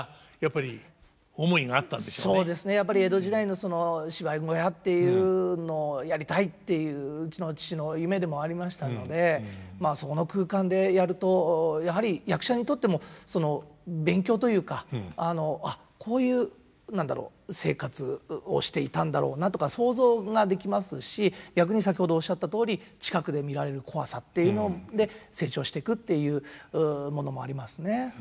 やっぱり江戸時代の芝居小屋っていうのをやりたいっていううちの父の夢でもありましたのでまあそこの空間でやるとやはり役者にとっても勉強というか「あっこういう何だろう生活をしていたんだろうな」とか想像ができますし逆に先ほどおっしゃったとおり近くで見られる怖さっていうので成長していくっていうものもありますね。